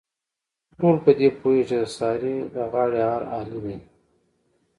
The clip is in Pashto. ټول په دې پوهېږي، چې د سارې د غاړې هار علي دی.